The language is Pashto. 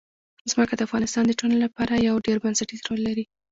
ځمکه د افغانستان د ټولنې لپاره یو ډېر بنسټيز رول لري.